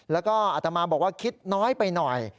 แล้วก็อัตมาบอกว่าคิดน้อยไปหน่อย